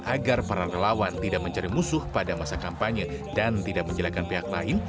agar para relawan tidak mencari musuh pada masa kampanye dan tidak menjelekan pihak lain